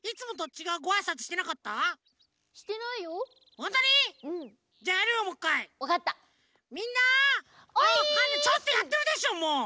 ちょっとやってるでしょもう！